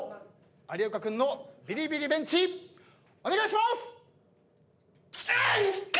有岡君のビリビリベンチお願いします！